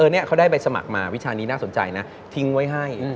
นี่เขาได้ใบสมัครมาวิชานี้น่าสนใจนะทิ้งไว้ให้